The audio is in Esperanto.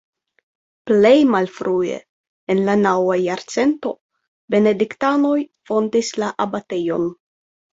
Plej malfrue en la naŭa jarcento Benediktanoj fondis la abatejon.